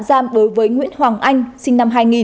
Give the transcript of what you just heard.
giam đối với nguyễn hoàng anh sinh năm hai nghìn